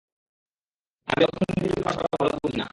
আমি অর্থনীতির ব্যাপার-স্যাপার ভালো বুঝি না।